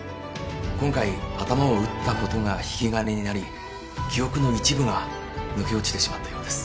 今回頭を打ったことが引き金になり記憶の一部が抜け落ちてしまったようです。